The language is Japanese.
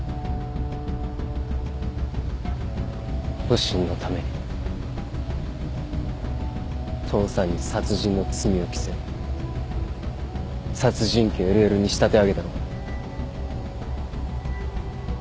保身のために父さんに殺人の罪を着せ殺人鬼・ＬＬに仕立て上げたのか？